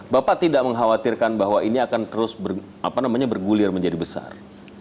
bapak tidak mengkhawatirkan bahwa ini akan terus bergulir menjadi besar